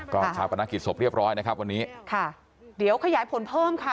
ก็ชาปนกิจศพเรียบร้อยนะครับวันนี้ค่ะเดี๋ยวขยายผลเพิ่มค่ะ